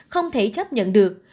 không thể chấp nhận được